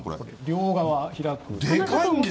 両側開く。